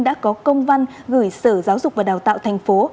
đã có công văn gửi sở giáo dục và đào tạo thành phố